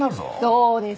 そうです！